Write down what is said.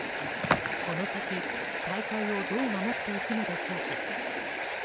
この先、大会をどう守っていくのでしょうか。